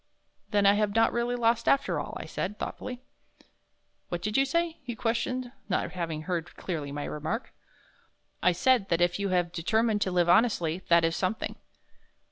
"Then I have not really lost after all," I said, thoughtfully. "What did you say?" he questioned, not having heard clearly my remark. "I said that if you have determined to live honestly, that is something."